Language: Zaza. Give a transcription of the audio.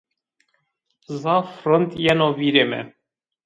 Zaf rind yeno vîrê mi